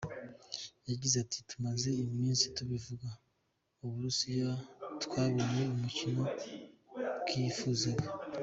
Yagize ati “Tumaze iminsi tubivuga, Uburusiya bwabonye umukino bwifuzaga.